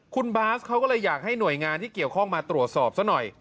คุณบาสเขาก็เลยอยากให้หน่วยงานที่เกี่ยวข้องมาตรวจสอบซะหน่อย